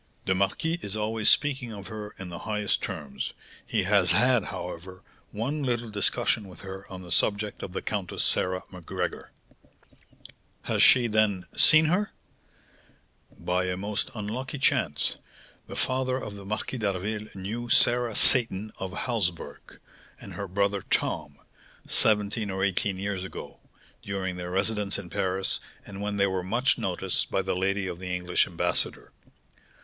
"The marquis is always speaking of her in the highest terms; he has had, however, one little discussion with her on the subject of the Countess Sarah Macgregor." "Has she, then, seen her?" "By a most unlucky chance, the father of the Marquis d'Harville knew Sarah Seyton of Halsburg, and her brother Tom, seventeen or eighteen years ago, during their residence in Paris, and when they were much noticed by the lady of the English ambassador.